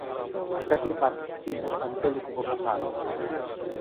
ভাষাটির পাঁচটি আঞ্চলিক উপভাষা আছে।